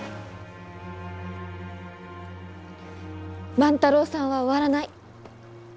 万太郎さんは終わらない！